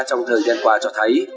trong thời gian qua cho thấy